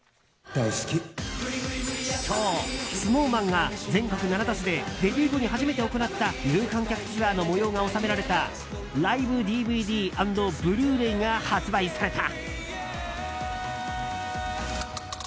今日、ＳｎｏｗＭａｎが全国７都市でデビュー後に初めて行った有観客ツアーの模様が収められたライブＤＶＤ＆ブルーレイが発売された。